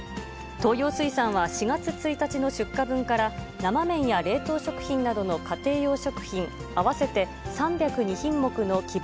東洋水産は４月１日の出荷分から、生麺や冷凍食品などの家庭用食品、合わせて３０２品目の希望